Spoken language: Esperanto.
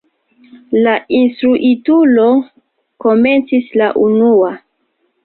La instruitulo komencis la unua.